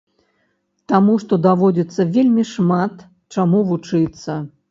Таму што даводзіцца вельмі шмат чаму вучыцца.